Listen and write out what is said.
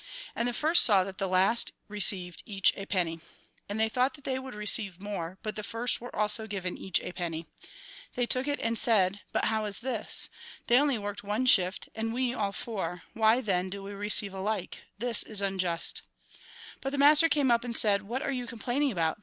And the first saw that the last received each a penny. And they thought that they would receive more ; but the first were also given each a penny. They took it and said :' But how is this ? They only worked one shift, and we all four ; why, then, do we receive alike ? This is unjust.' But the master came up, and said :' "What are you complaining about